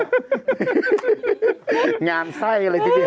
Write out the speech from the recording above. งามใส่อะไรทีเดียว